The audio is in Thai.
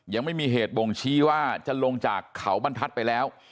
ยังไม่มีเหตุบ่งชี้ว่าจะลงจากเขาบรรทัศน์ไปแล้ว